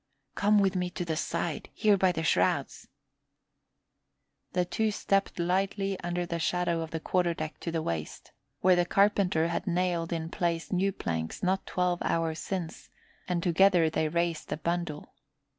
Come with me to the side here by the shrouds." The two stepped lightly under the shadow of the quarter deck to the waist, where the carpenter had nailed in place new planks not twelve hours since, and together they raised a bundle.